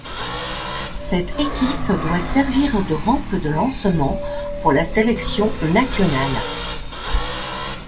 Cette équipe doit servir de rampe de lancement pour la sélection nationale.